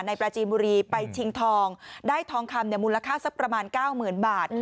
ในปลาจีมุรีไปชิงทองได้ทองคำเนี่ยมูลค่าสักประมาณเก้าหมื่นบาท